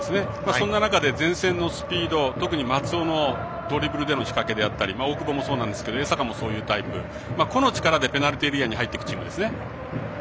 そんな中で前線のスピード特に松尾のドリブルでの仕掛けであったり大久保もそうなんですけど江坂も、そういうタイプ個の力でペナルティーエリアに入ってくる選手ですね。